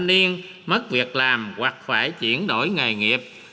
niên mất việc làm hoặc phải chuyển đổi nghề nghiệp